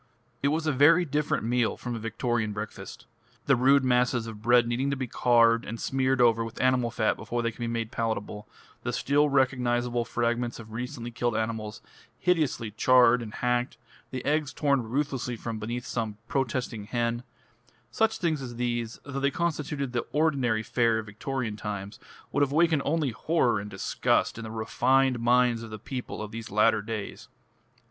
It was a very different meal from a Victorian breakfast. The rude masses of bread needing to be carved and smeared over with animal fat before they could be made palatable, the still recognisable fragments of recently killed animals, hideously charred and hacked, the eggs torn ruthlessly from beneath some protesting hen, such things as these, though they constituted the ordinary fare of Victorian times, would have awakened only horror and disgust in the refined minds of the people of these latter days.